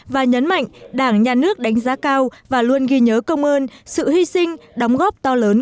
và nhấn mạnh đảng nhà nước đánh giá cao và luôn ghi nhớ công ơn sự hy sinh đóng góp to lớn